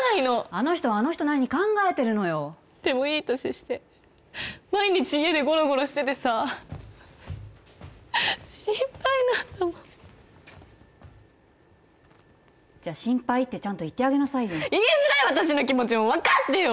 あの人はあの人なりに考えてるのよでもいい年して毎日家でゴロゴロしててさ心配なんだもんじゃあ心配ってちゃんと言ってあげなさいよ言いづらい私の気持ちも分かってよ！